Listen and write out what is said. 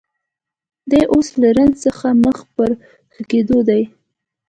دی اوس له زنځ څخه مخ پر ښه کېدو دی